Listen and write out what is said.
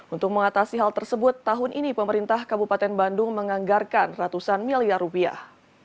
untuk mengatasi hal tersebut tahun ini pemerintah kabupaten bandung menganggarkan ratusan miliar rupiah